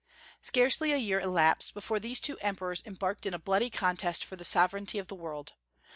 Scarcely a year elapsed before these two emperors embarked in a bloody contest for the sovereignty of the world.